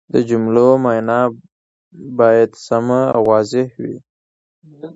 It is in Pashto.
د جملو مانا باید سمه او واضحه وي.